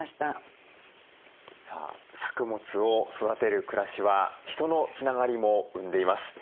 さあ作物を育てる暮らしは人のつながりも生んでいます。